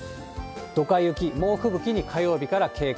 ドカ雪、猛吹雪に火曜日から警戒。